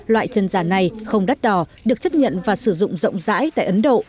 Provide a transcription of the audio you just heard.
loại chân giả này không đắt đỏ được chấp nhận và sử dụng rộng rãi tại ấn độ